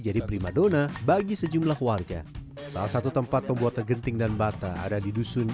jadi primadona bagi sejumlah warga salah satu tempat pembuat genting dan bata ada di dusun